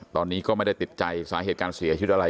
ตอนนี้ก็ไม่ได้ติดใจสาเหตุการเสียชีวิตอะไร